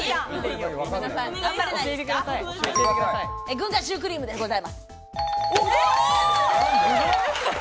軍艦シュークリームでございます。